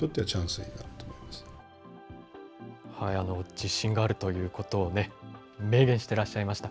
自信があるということをね、明言してらっしゃいました。